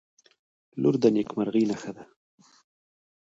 • لور د نیکمرغۍ نښه ده.